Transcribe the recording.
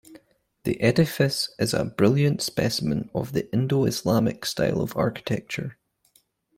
The edifice is a brilliant specimen of the Indo-Islamic style of architecture.